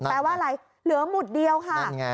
แปลว่าอะไรเหลือหมุดเดียวค่ะ